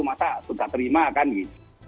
masa sudah terima kan gitu